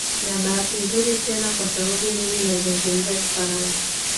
na bahati mzuri tena kwa sababu mimi nazungumza kifaransa